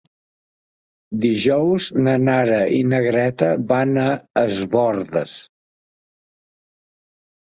Dijous na Nara i na Greta van a Es Bòrdes.